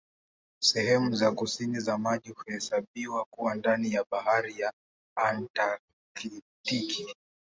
Sehemu za kusini za maji huhesabiwa kuwa ndani ya Bahari ya Antaktiki.